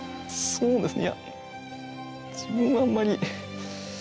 そうですね。